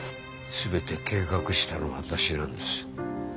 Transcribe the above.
全て計画したのは私なんです。